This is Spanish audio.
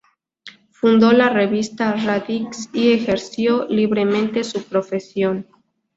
Fundó la revista ""Radix"" y ejerció libremente su profesión.